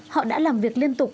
họ đã làm việc liên tục